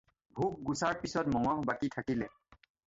ভোক গুচাৰ পিচত মঙহ বাকী থাকিলে